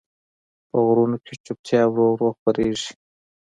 په غرونو کې چوپتیا ورو ورو خپرېږي.